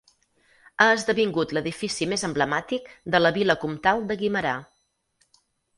Ha esdevingut l'edifici més emblemàtic de la vila comtal de Guimerà.